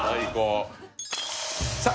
さあ